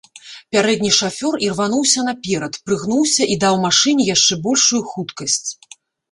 Пярэдні шафёр ірвануўся наперад, прыгнуўся і даў машыне яшчэ большую хуткасць.